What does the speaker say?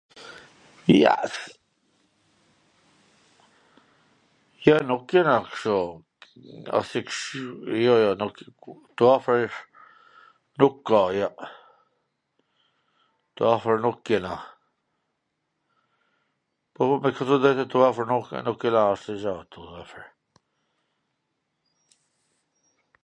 Jo, jo, nuk kena ktu, ktu afwr nuk ka, jo. Ktu afwr nuk kena. Po, po, me thwn tw drejtwn ktu afwr nuk kena asnjw gja ktu afwr.